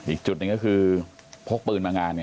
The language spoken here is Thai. อีกจุดหนึ่งก็คือพกปืนมางาน